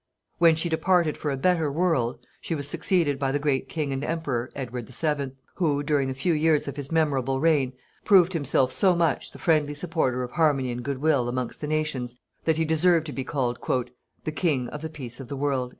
When she departed for a better world, she was succeeded by the great King and Emperor Edward VII. who, during the few years of his memorable reign, proved himself so much the friendly supporter of harmony and good will amongst the nations that he deserved to be called "THE KING OF THE PEACE OF THE WORLD."